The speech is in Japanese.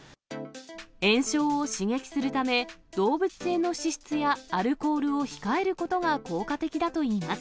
炎症を刺激するため、動物性の脂質やアルコールを控えることが効果的だといいます。